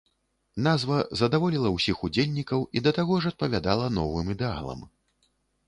Назва задаволіла ўсіх удзельнікаў і да таго ж адпавядала новым ідэалам.